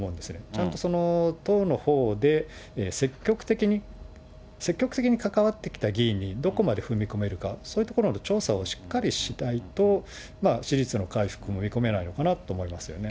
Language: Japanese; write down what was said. ちゃんと党のほうで、積極的に、積極的に関わってきた議員にどこまで踏み込めるか、そういうところまで調査をしっかりしないと、支持率の回復も見込めないのかなと思いますよね。